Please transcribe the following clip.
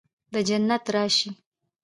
د جنت راشي